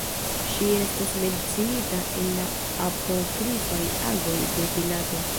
Ŝi estas menciita en la apokrifaj Agoj de Pilato.